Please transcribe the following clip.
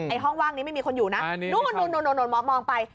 ห้องว่างนี้ไม่มีคนอยู่นะนู่นมองไป